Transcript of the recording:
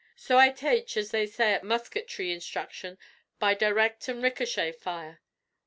So I tache, as they say at musketry instruction, by direct an' ricochet fire.